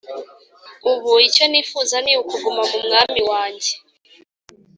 Ubu icyo ni fuza ni ukuguma mu mwami wanjye